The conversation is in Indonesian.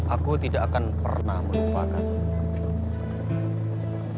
aku tidak akan pernah melupakan